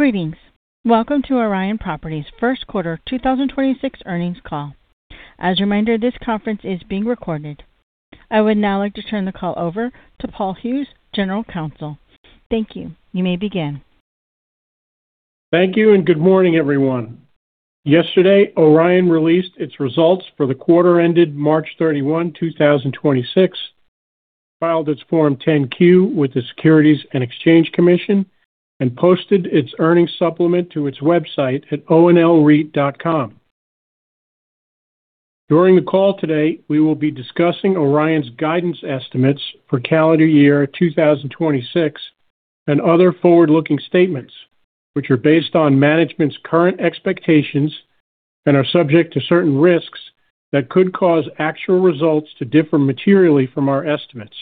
Greetings. Welcome to Orion Properties' First Quarter 2026 Earnings Call. As a reminder, this conference is being recorded. I would now like to turn the call over to Paul Hughes, General Counsel. Thank you. You may begin. Thank you, and good morning, everyone. Yesterday, Orion released its results for the quarter ended 31 March 2026, filed its Form 10-Q with the Securities and Exchange Commission, and posted its earnings supplement to its website at onlreit.com. During the call today, we will be discussing Orion's guidance estimates for calendar year 2026 and other forward-looking statements, which are based on management's current expectations and are subject to certain risks that could cause actual results to differ materially from our estimates.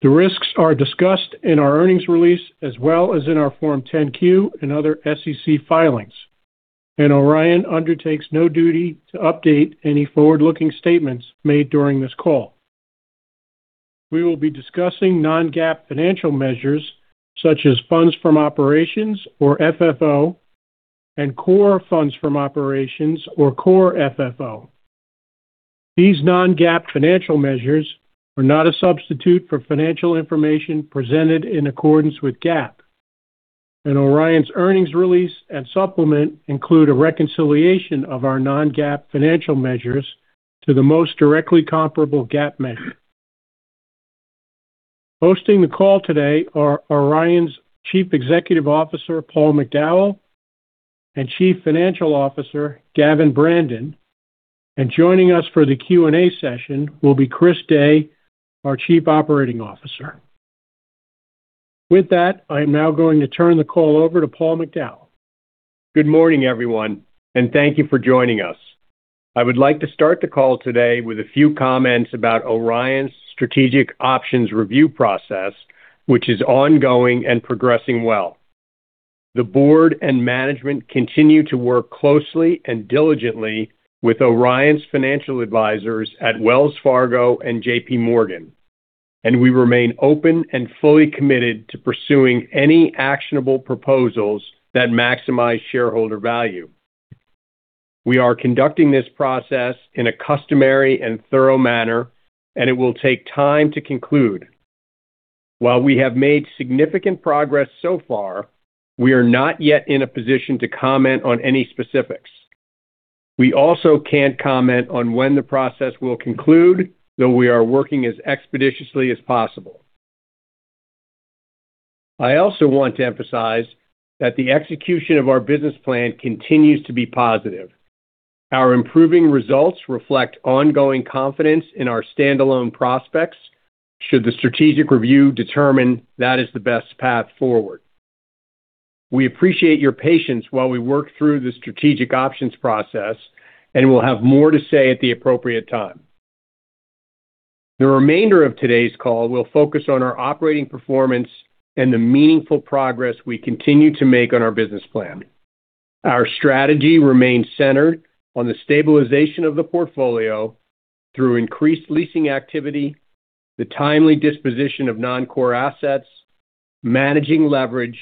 The risks are discussed in our earnings release as well as in our Form 10-Q and other SEC filings, and Orion undertakes no duty to update any forward-looking statements made during this call. We will be discussing non-GAAP financial measures such as funds from operations, or FFO, and core funds from operations, or Core FFO. These non-GAAP financial measures are not a substitute for financial information presented in accordance with GAAP, and Orion's earnings release and supplement include a reconciliation of our non-GAAP financial measures to the most directly comparable GAAP measure. Hosting the call today are Orion's Chief Executive Officer, Paul McDowell, and Chief Financial Officer, Gavin Brandon, and joining us for the Q&A session will be Chris Day, our Chief Operating Officer. With that, I'm now going to turn the call over to Paul McDowell. Good morning, everyone, and thank you for joining us. I would like to start the call today with a few comments about Orion's strategic options review process, which is ongoing and progressing well. The board and management continue to work closely and diligently with Orion's financial advisors at Wells Fargo and JPMorgan, and we remain open and fully committed to pursuing any actionable proposals that maximize shareholder value. We are conducting this process in a customary and thorough manner, and it will take time to conclude. While we have made significant progress so far, we are not yet in a position to comment on any specifics. We also can't comment on when the process will conclude, though we are working as expeditiously as possible. I also want to emphasize that the execution of our business plan continues to be positive. Our improving results reflect ongoing confidence in our standalone prospects should the strategic review determine that is the best path forward. We appreciate your patience while we work through the strategic options process, and we'll have more to say at the appropriate time. The remainder of today's call will focus on our operating performance and the meaningful progress we continue to make on our business plan. Our strategy remains centered on the stabilization of the portfolio through increased leasing activity, the timely disposition of non-core assets, managing leverage,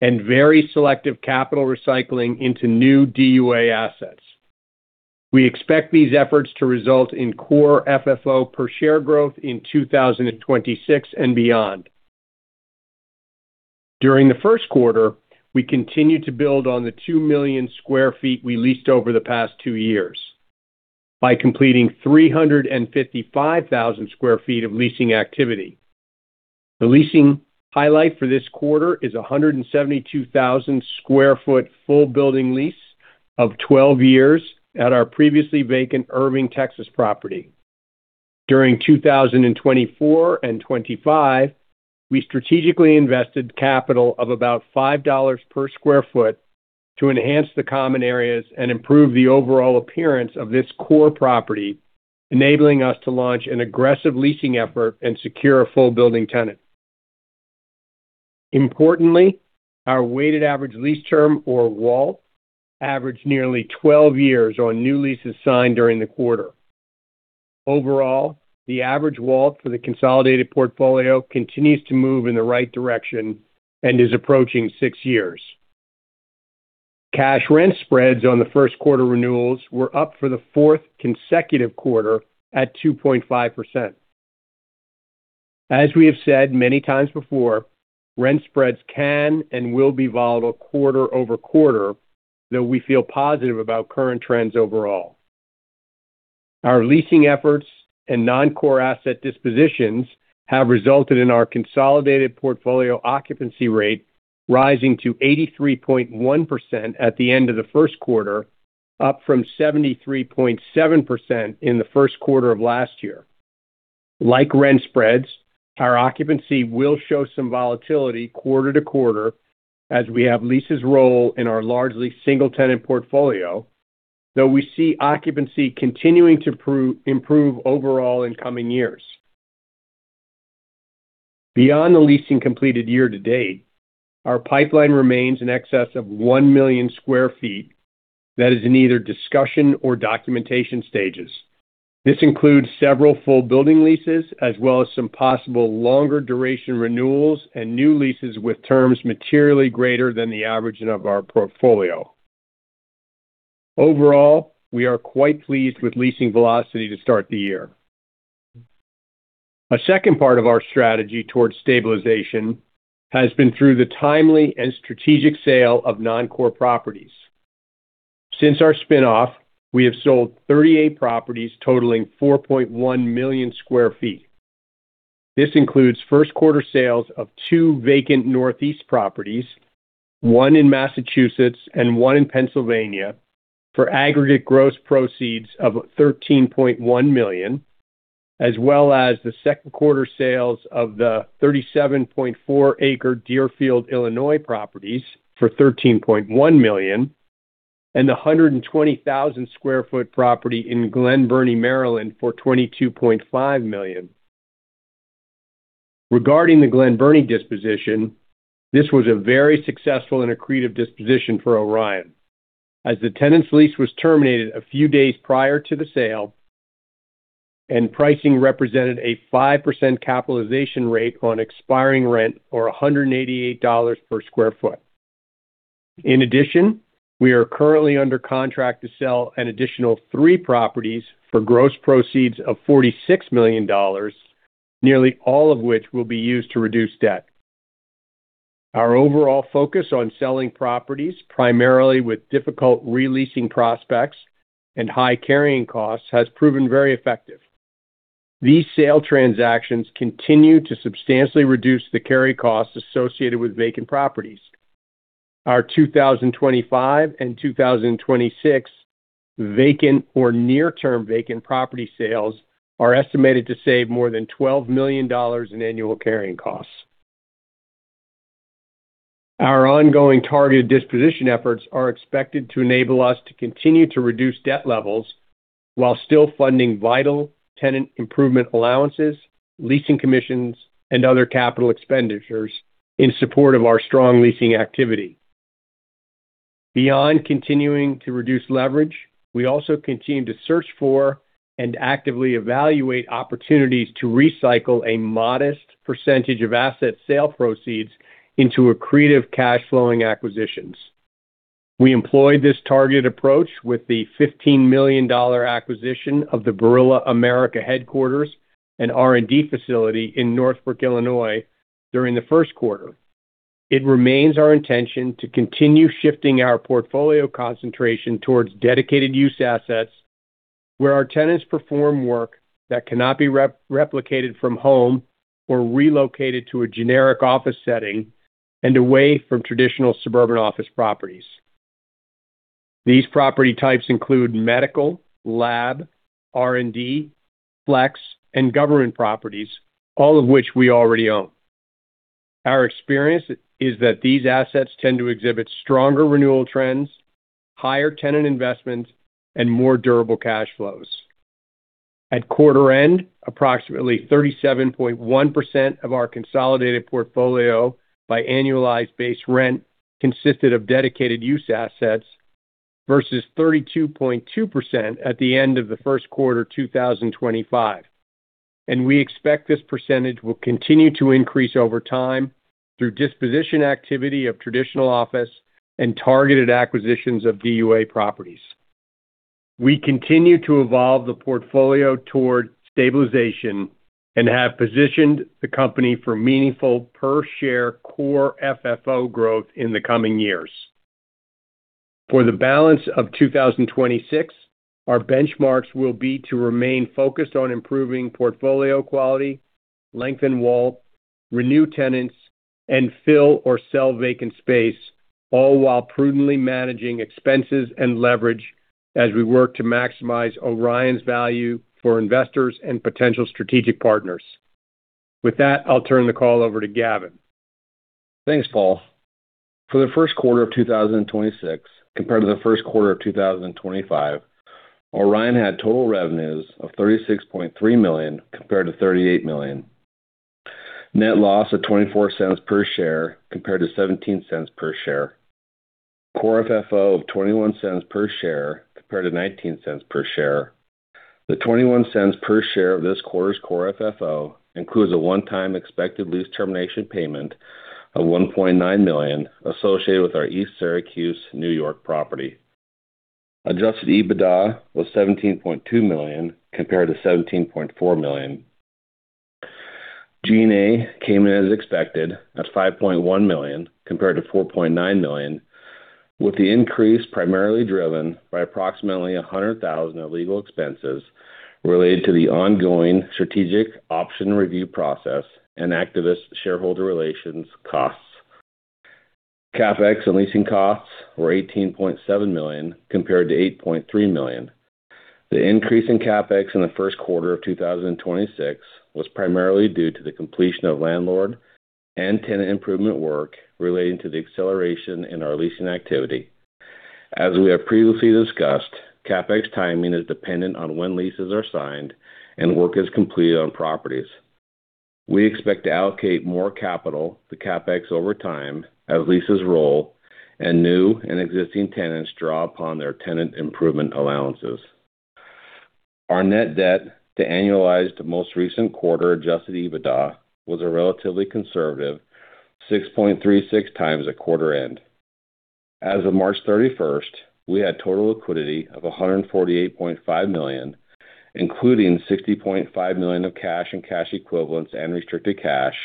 and very selective capital recycling into new DUA assets. We expect these efforts to result in Core FFO per share growth in 2026 and beyond. During the first quarter, we continued to build on the 2 million sq ft we leased over the past two years by completing 355,000 sq ft of leasing activity. The leasing highlight for this quarter is a 172,000 sq ft full building lease of 12 years at our previously vacant Irving, Texas property. During 2024 and 2025, we strategically invested capital of about $5 per sq ft to enhance the common areas and improve the overall appearance of this core property, enabling us to launch an aggressive leasing effort and secure a full building tenant. Importantly, our weighted average lease term, or WALT, averaged nearly 12 years on new leases signed during the quarter. Overall, the average WALT for the consolidated portfolio continues to move in the right direction and is approaching 6 years. Cash rent spreads on the first quarter renewals were up for the fourth consecutive quarter at 2.5%. As we have said many times before, rent spreads can and will be volatile quarter-over-quarter, though we feel positive about current trends overall. Our leasing efforts and non-core asset dispositions have resulted in our consolidated portfolio occupancy rate rising to 83.1% at the end of the first quarter, up from 73.7% in the first quarter of last year. Like rent spreads, our occupancy will show some volatility quarter-to-quarter as we have leases roll in our largely single tenant portfolio, though we see occupancy continuing to improve overall in coming years. Beyond the leasing completed year-to-date, our pipeline remains in excess of 1 million sq ft. That is in either discussion or documentation stages. This includes several full building leases, as well as some possible longer duration renewals and new leases with terms materially greater than the average of our portfolio. Overall, we are quite pleased with leasing velocity to start the year. A second part of our strategy towards stabilization has been through the timely and strategic sale of non-core properties. Since our spin-off, we have sold 38 properties totaling 4.1 million sq ft. This includes first quarter sales of 2 vacant Northeast properties, one in Massachusetts and one in Pennsylvania, for aggregate gross proceeds of $13.1 million, as well as the second quarter sales of the 37.4 acre Deerfield, Illinois properties for $13.1 million, and the 120,000 sq ft property in Glen Burnie, Maryland for $22.5 million. Regarding the Glen Burnie disposition, this was a very successful and accretive disposition for Orion. As the tenant's lease was terminated a few days prior to the sale, and pricing represented a 5% capitalization rate on expiring rent or $188 per square foot. In addition, we are currently under contract to sell an additional three properties for gross proceeds of $46 million, nearly all of which will be used to reduce debt. Our overall focus on selling properties, primarily with difficult re-leasing prospects and high carrying costs, has proven very effective. These sale transactions continue to substantially reduce the carry costs associated with vacant properties. Our 2025 and 2026 vacant or near-term vacant property sales are estimated to save more than $12 million in annual carrying costs. Our ongoing targeted disposition efforts are expected to enable us to continue to reduce debt levels while still funding vital tenant improvement allowances, leasing commissions, and other capital expenditures in support of our strong leasing activity. Beyond continuing to reduce leverage, we also continue to search for and actively evaluate opportunities to recycle a modest percentage of asset sale proceeds into accretive cash flowing acquisitions. We employed this targeted approach with the $15 million acquisition of the Barilla America headquarters and R&D facility in Northbrook, Illinois during the first quarter. It remains our intention to continue shifting our portfolio concentration towards dedicated use assets where our tenants perform work that cannot be replicated from home or relocated to a generic office setting and away from traditional suburban office properties. These property types include medical, lab, R&D, flex, and government properties, all of which we already own. Our experience is that these assets tend to exhibit stronger renewal trends, higher tenant investment, and more durable cash flows. At quarter end, approximately 37.1% of our consolidated portfolio by annualized base rent consisted of dedicated use assets versus 32.2% at the end of the first quarter 2025. We expect this percentage will continue to increase over time through disposition activity of traditional office and targeted acquisitions of DUA properties. We continue to evolve the portfolio toward stabilization and have positioned the company for meaningful per share Core FFO growth in the coming years. For the balance of 2026, our benchmarks will be to remain focused on improving portfolio quality, lengthen WALT, renew tenants, and fill or sell vacant space, all while prudently managing expenses and leverage as we work to maximize Orion's value for investors and potential strategic partners. With that, I'll turn the call over to Gavin. Thanks, Paul. For the first quarter of 2026 compared to the first quarter of 2025, Orion had total revenues of $36.3 million compared to $38 million. Net loss of $0.24 per share compared to $0.17 per share. Core FFO of $0.21 per share compared to $0.19 per share. The $0.21 per share of this quarter's Core FFO includes a one-time expected lease termination payment of $1.9 million associated with our East Syracuse, N.Y. property. Adjusted EBITDA was $17.2 million compared to $17.4 million. G&A came in as expected at $5.1 million compared to $4.9 million, with the increase primarily driven by approximately $100,000 of legal expenses related to the ongoing strategic option review process and activist shareholder relations costs. CapEx and leasing costs were $18.7 million compared to $8.3 million. The increase in CapEx in the first quarter of 2026 was primarily due to the completion of landlord and tenant improvement work relating to the acceleration in our leasing activity. As we have previously discussed, CapEx timing is dependent on when leases are signed and work is completed on properties. We expect to allocate more capital to CapEx over time as leases roll and new and existing tenants draw upon their tenant improvement allowances. Our net debt to annualized most recent quarter adjusted EBITDA was a relatively conservative 6.36 times at quarter end. As of 31st March we had total liquidity of $148.5 million, including $60.5 million of cash and cash equivalents and restricted cash,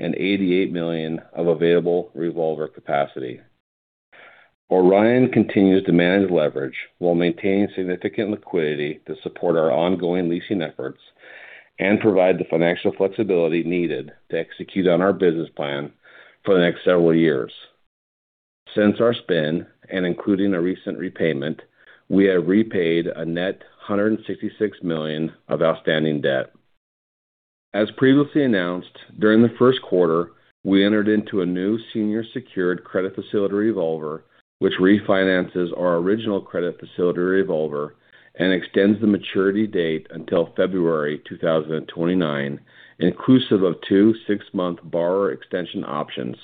and $88 million of available revolver capacity. Orion continues to manage leverage while maintaining significant liquidity to support our ongoing leasing efforts and provide the financial flexibility needed to execute on our business plan for the next several years. Since our spin and including a recent repayment, we have repaid a net $166 million of outstanding debt. As previously announced, during the first quarter, we entered into a new senior secured credit facility revolver, which refinances our original credit facility revolver and extends the maturity date until February 2029, inclusive of two six-month borrower extension options.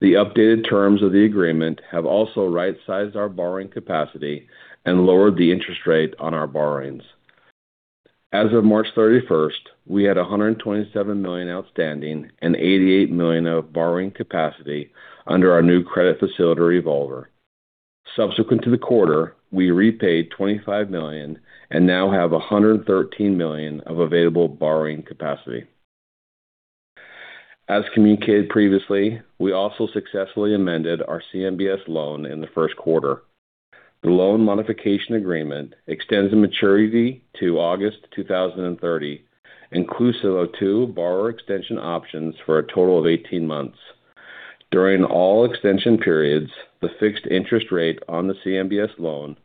The updated terms of the agreement have also right-sized our borrowing capacity and lowered the interest rate on our borrowings. As of 31st March we had $127 million outstanding and $88 million of borrowing capacity under our new credit facility revolver. Subsequent to the quarter, we repaid $25 million and now have $113 million of available borrowing capacity. As communicated previously, we also successfully amended our CMBS loan in the first quarter. The loan modification agreement extends the maturity to August 2030, inclusive of two borrower extension options for a total of 18 months. During all extension periods, the fixed interest rate on the CMBS loan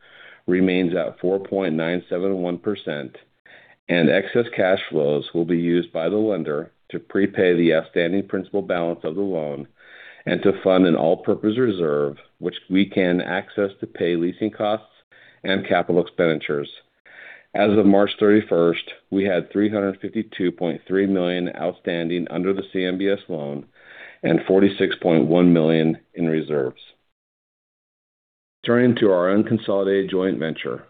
remains at 4.971%, and excess cash flows will be used by the lender to prepay the outstanding principal balance of the loan and to fund an all-purpose reserve, which we can access to pay leasing costs and capital expenditures. As of 31st March we had $352.3 million outstanding under the CMBS loan and $46.1 million in reserves. Turning to our unconsolidated joint venture.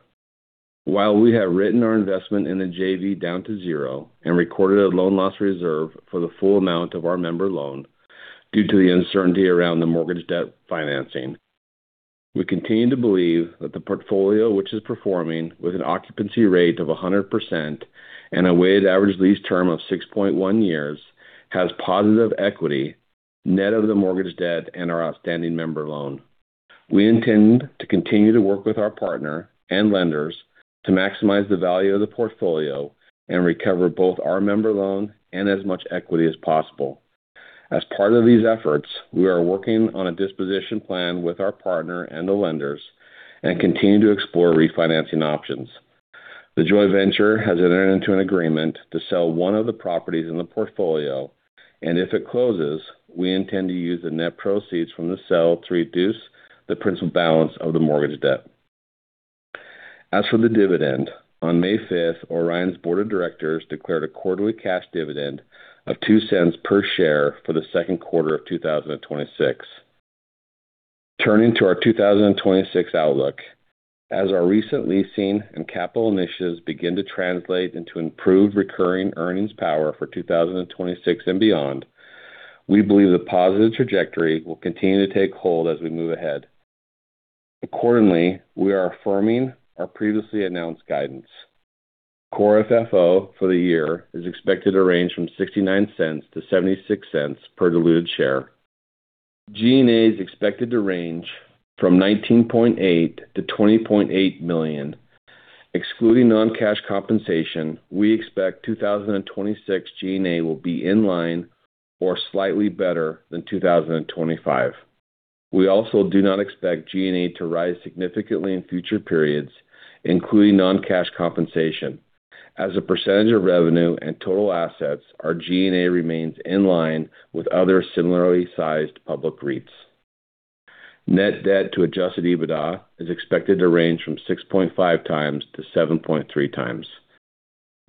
While we have written our investment in the JV down to zero and recorded a loan loss reserve for the full amount of our member loan due to the uncertainty around the mortgage debt financing, we continue to believe that the portfolio, which is performing with an occupancy rate of 100% and a weighted average lease term of 6.1 years, has positive equity net of the mortgage debt and our outstanding member loan. We intend to continue to work with our partner and lenders to maximize the value of the portfolio and recover both our member loan and as much equity as possible. As part of these efforts, we are working on a disposition plan with our partner and the lenders and continue to explore refinancing options. The joint venture has entered into an agreement to sell one of the properties in the portfolio, and if it closes, we intend to use the net proceeds from the sale to reduce the principal balance of the mortgage debt. As for the dividend, on 5th May, Orion's Board of Directors declared a quarterly cash dividend of $0.02 per share for the second quarter of 2026. Turning to our 2026 outlook. As our recent leasing and capital initiatives begin to translate into improved recurring earnings power for 2026 and beyond, we believe the positive trajectory will continue to take hold as we move ahead. Accordingly, we are affirming our previously announced guidance. Core FFO for the year is expected to range from $0.69-$0.76 per diluted share. G&A is expected to range from $19.8 million to $20.8 million. Excluding non-cash compensation, we expect 2026 G&A will be in line or slightly better than 2025. We also do not expect G&A to rise significantly in future periods, including non-cash compensation. As a percentage of revenue and total assets, our G&A remains in line with other similarly sized public REITs. Net debt to adjusted EBITDA is expected to range from 6.5x-7.3x.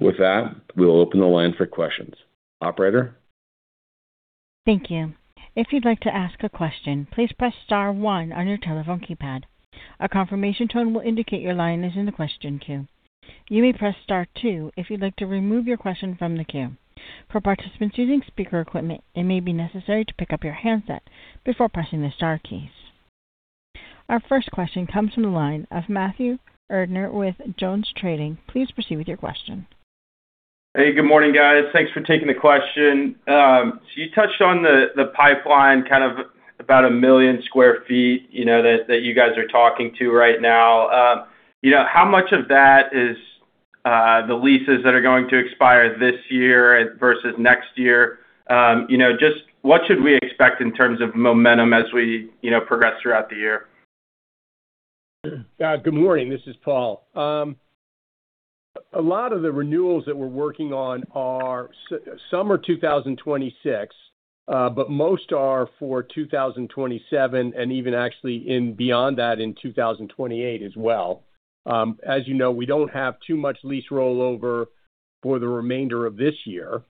With that, we will open the line for questions. Operator? Thank you. If you'd like to ask a question, please press star one on your telephone keypad. A confirmation tone will indicate your line is in the question queue. You may press star two if you'd like to remove your question from the queue. For participants using speaker equipment, it may be necessary to pick up your handset before pressing the star keys. Our first question comes from the line of Matthew Erdner with JonesTrading. Please proceed with your question. Hey, good morning, guys. Thanks for taking the question. You touched on the pipeline kind of about 1 million sq ft, you know, that you guys are talking to right now. You know, how much of that is the leases that are going to expire this year versus next year? You know, just what should we expect in terms of momentum as we, you know, progress throughout the year? Good morning. This is Paul. A lot of the renewals that we're working on are summer 2026. Most are for 2027 and even actually in beyond that in 2028 as well. As you know, we don't have too much lease rollover for the remainder of this year.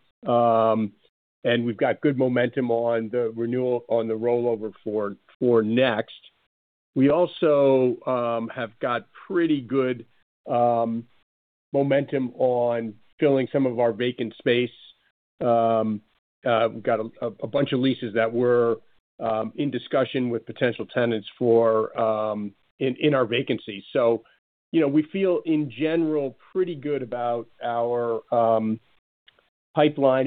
And we've got good momentum on the renewal on the rollover for next. We also have got pretty good momentum on filling some of our vacant space. We've got a bunch of leases that we're in discussion with potential tenants for in our vacancy. So, you know, we feel, in general, pretty good about our pipeline.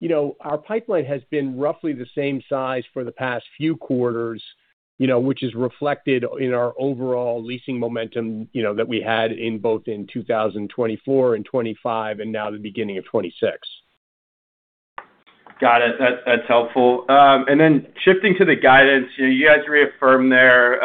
You know, our pipeline has been roughly the same size for the past few quarters, you know, which is reflected in our overall leasing momentum, you know, that we had in both in 2024 and 2025 and now the beginning of 2026. Got it. That, that's helpful. Then shifting to the guidance, you know, you guys reaffirmed there,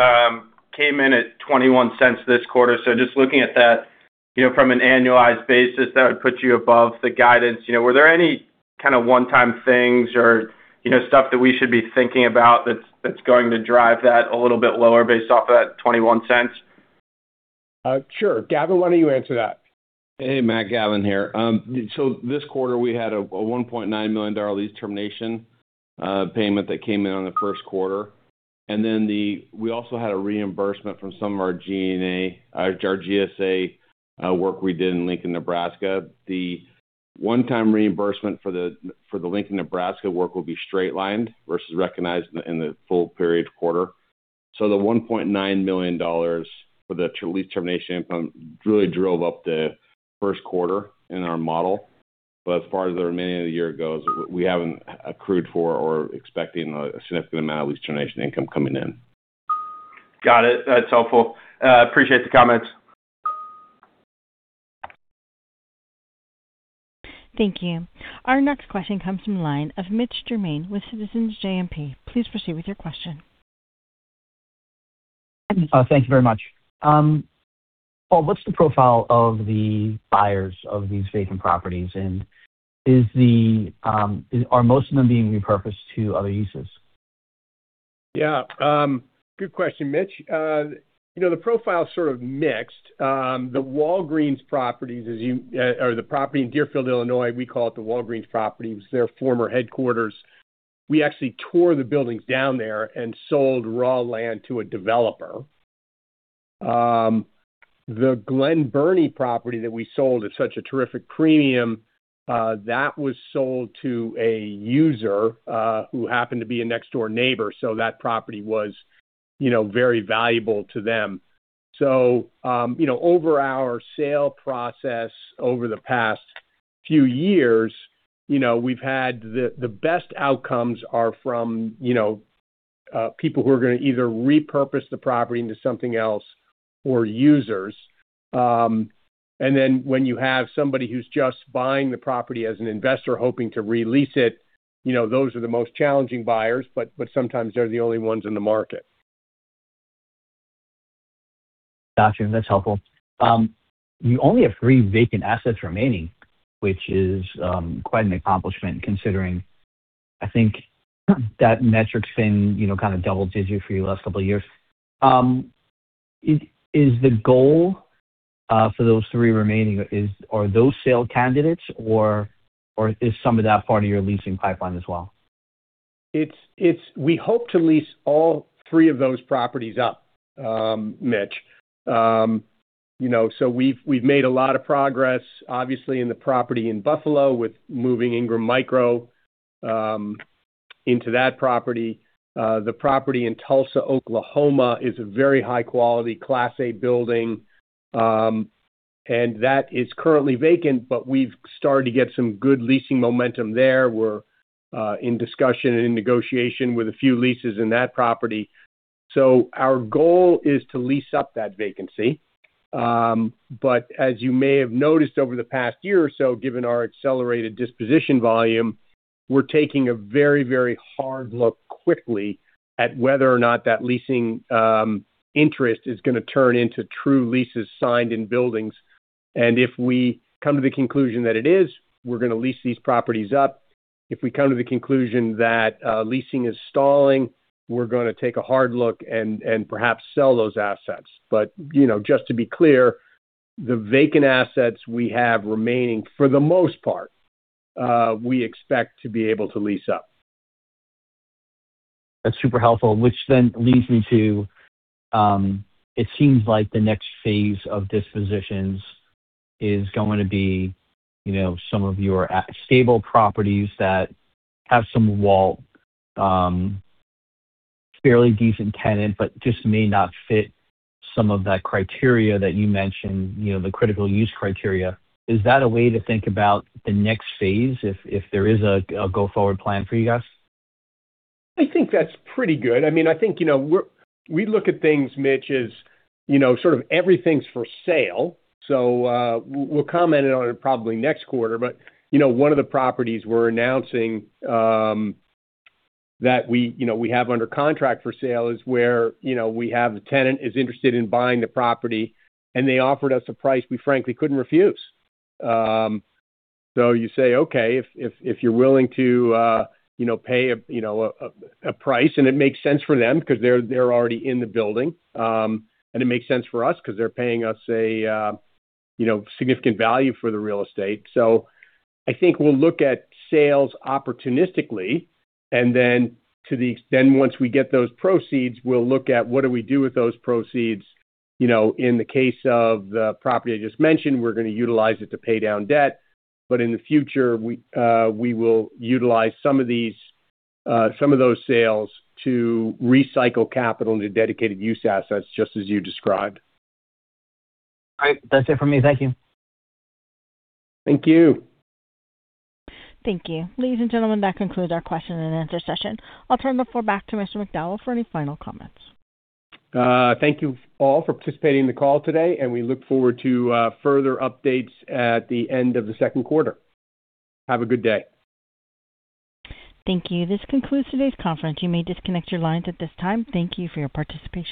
came in at $0.21 this quarter. Just looking at that, you know, from an annualized basis, that would put you above the guidance. You know, were there any kind of one-time things or, you know, stuff that we should be thinking about that's going to drive that a little bit lower based off of that $0.21? Sure. Gavin, why don't you answer that? Hey. Matt Gavin here. This quarter we had a $1.9 million lease termination payment that came in on the first quarter. We also had a reimbursement from some of our G&A or our GSA work we did in Lincoln, Nebraska. The one-time reimbursement for the Lincoln, Nebraska work will be straight-lined versus recognized in the full period quarter. The $1.9 million for the lease termination income really drove up the first quarter in our model. As far as the remaining of the year goes, we haven't accrued for or expecting a significant amount of lease termination income coming in. Got it. That's helpful. Appreciate the comments. Thank you. Our next question comes from the line of Mitch Germain with Citizens JMP. Please proceed with your question. Thank you very much. Paul, what's the profile of the buyers of these vacant properties, and are most of them being repurposed to other uses? Good question, Mitch. You know, the profile's sort of mixed. The Walgreens properties, as you or the property in Deerfield, Illinois, we call it the Walgreens property. It was their former headquarters. We actually tore the buildings down there and sold raw land to a developer. The Glen Burnie property that we sold at such a terrific premium, that was sold to a user, who happened to be a next-door neighbor, so that property was, you know, very valuable to them. Over our sale process over the past few years, you know, we've had the best outcomes are from, you know, people who are gonna either repurpose the property into something else or users. When you have somebody who's just buying the property as an investor hoping to re-lease it, you know, those are the most challenging buyers, but sometimes they're the only ones in the market. Got you. That's helpful. You only have three vacant assets remaining, which is quite an accomplishment considering, I think that metric's been, you know, kind of double-digit for you the last couple of years. Is the goal for those three remaining, are those sale candidates or is some of that part of your leasing pipeline as well? We hope to lease all three of those properties up, Mitch. You know, we've made a lot of progress, obviously in the property in Buffalo with moving Ingram Micro into that property. The property in Tulsa, Oklahoma, is a very high quality Class A building, that is currently vacant, we've started to get some good leasing momentum there. We're in discussion and in negotiation with a few leases in that property. Our goal is to lease up that vacancy. As you may have noticed over the past year or so, given our accelerated disposition volume, we're taking a very hard look quickly at whether or not that leasing interest is gonna turn into true leases signed in buildings. If we come to the conclusion that it is, we're gonna lease these properties up. If we come to the conclusion that leasing is stalling, we're gonna take a hard look and perhaps sell those assets. You know, just to be clear, the vacant assets we have remaining, for the most part, we expect to be able to lease up. That's super helpful. Which leads me to, it seems like the next phase of dispositions is going to be, you know, some of your stable properties that have some WALT, fairly decent tenant, but just may not fit some of that criteria that you mentioned, you know, the critical use criteria. Is that a way to think about the next phase if there is a go-forward plan for you guys? I think that's pretty good. I mean, I think, you know, we look at things, Mitch, as, you know, sort of everything's for sale. We'll comment on it probably next quarter. You know, one of the properties we're announcing that we, you know, we have under contract for sale is where, you know, we have the tenant is interested in buying the property, and they offered us a price we frankly couldn't refuse. You say, okay, if you're willing to, you know, pay a, you know, a price and it makes sense for them because they're already in the building, and it makes sense for us because they're paying us a, you know, significant value for the real estate. I think we'll look at sales opportunistically, and then once we get those proceeds, we'll look at what do we do with those proceeds. You know, in the case of the property I just mentioned, we're gonna utilize it to pay down debt. In the future, we will utilize some of these, some of those sales to recycle capital into dedicated use assets, just as you described. All right. That's it for me. Thank you. Thank you. Thank you. Ladies and gentlemen, that concludes our question-and-answer session. I'll turn the floor back to Mr. McDowell for any final comments. Thank you all for participating in the call today. We look forward to further updates at the end of the second quarter. Have a good day. Thank you. This concludes today's conference. You may disconnect your lines at this time. Thank you for your participation.